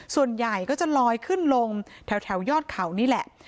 ส่วนใหญ่ก็จะลอยขึ้นลงแถวยอดเขานี่แหละ